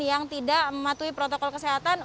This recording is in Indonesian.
yang tidak mematuhi protokol kesehatan